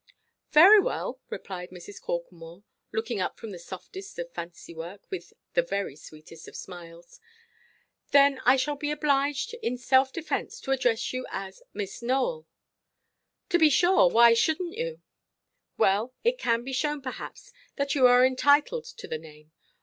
"Very well," replied Mrs. Corklemore, looking up from the softest of fancy–work, with the very sweetest of smiles; "then I shall be obliged, in self–defence, to address you as 'Miss Nowell.'" "To be sure. Why shouldnʼt you?" "Well, it can be shown, perhaps, that you are entitled to the name.